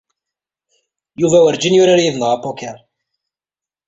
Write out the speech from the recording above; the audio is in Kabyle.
Yuba werjin yurar yid-neɣ apoker.